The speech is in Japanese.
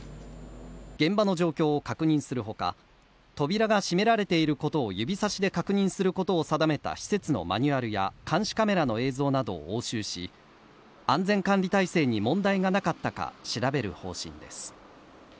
現場の状況を確認するほか、扉が閉められていることを指さしで確認することを定めた施設のマニュアルや監視カメラの映像などを押収し、安全管理体制に問題がなかったか調べる方針です。